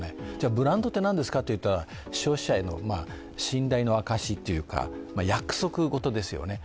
ブランドって何ですかといったら消費者への信頼の証しというか、約束事ですよね。